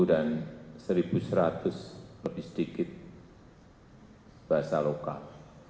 dan satu seratus lebih sedikit bahasa lokal